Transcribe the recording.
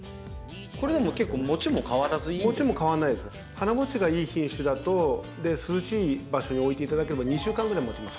花もちがいい品種だと涼しい場所に置いていただければ２週間ぐらいもちます。